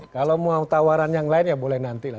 kalau mau tawaran yang lain ya boleh nanti lah